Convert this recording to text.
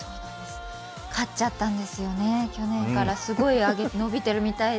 勝っちゃったんですよね、去年からすごい伸びてるみたいで。